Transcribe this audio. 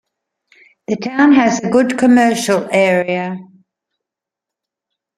The town has a good commercial area.